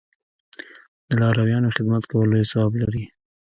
د لارویانو خدمت کول لوی ثواب لري.